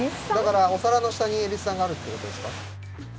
だからお皿の下に蛭子さんがあるってことですか？